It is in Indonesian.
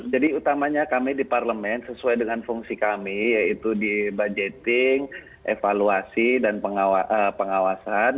jadi utamanya kami di parlemen sesuai dengan fungsi kami yaitu di budgeting evaluasi dan pengawasan